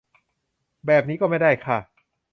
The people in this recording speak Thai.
แบบนี้ไม่ได้ค่ะ